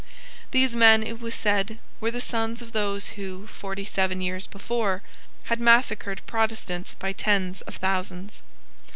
These men, it was said, were the sons of those who, forty seven years before, had massacred Protestants by tens of thousands.